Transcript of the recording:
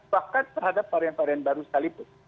bahkan terhadap varian varian baru sekalipun